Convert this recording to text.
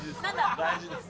大事です。